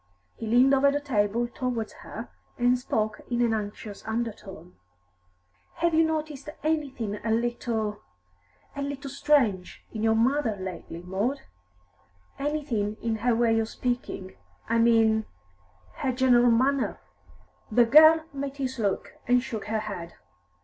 He leaned over the table towards her, and spoke in an anxious undertone. "Have you noticed anything a little a little strange in your mother lately, Maud? Anything in her way of speaking, I mean her general manner?" The girl met his look, and shook her head.